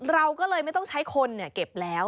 เราก็เลยไม่ต้องใช้คนเก็บแล้ว